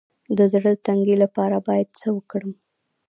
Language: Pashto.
د زړه د تنګي لپاره باید څه وکړم؟